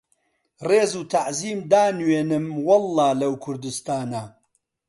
ڕێز و تەعزیم دانوێنم وەڵڵا لەو کوردوستانە